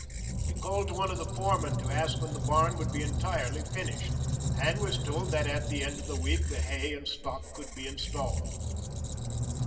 He called to one of the foremen, to ask when the barn would be entirely finished, and was told that at the end of the week the hay and stock could be installed.